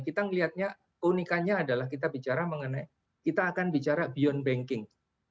kita melihatnya keunikannya adalah kita bicara mengenai kita akan bicara beyond banking